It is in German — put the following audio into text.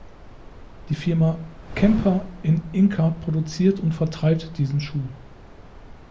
Die Firma Camper in Inca produziert und vertreibt diesen Schuh.